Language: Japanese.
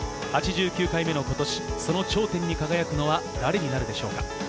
８９回目の今年、その頂点に輝くのは誰になるでしょうか。